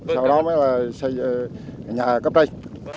sau đó mới là xây nhà cấp đây